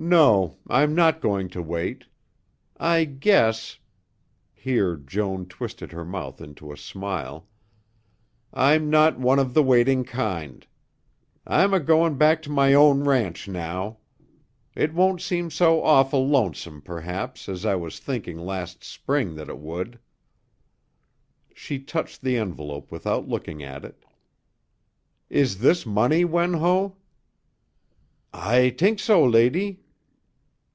"No. I'm not going to wait. I guess" here Joan twisted her mouth into a smile "I'm not one of the waiting kind. I'm a going back to my own ranch now. It won't seem so awful lonesome, perhaps, as I was thinking last spring that it would." She touched the envelope without looking at it. "Is this money, Wen Ho?" "I tink so, lady."